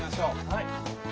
はい！